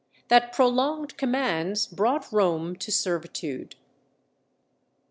—That prolonged Commands brought Rome to Servitude.